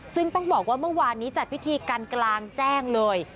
ซึ่งต้องบอกว่าเมื่อวานนี้จัดพิธีกันกลางแจ้งเลย